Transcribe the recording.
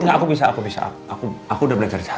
enggak aku bisa aku bisa aku udah belajar jalan